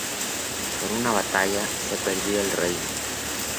Por una batalla, se perdió el Reino